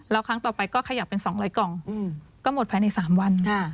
แล้วครั้งต่อไปก็ขยับเป็น๒๐๐กล่องก็หมดภายใน๓วัน